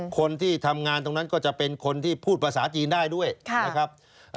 คนที่ทำงานตรงนั้นก็จะเป็นคนที่พูดภาษาจีนได้ด้วยนะครับ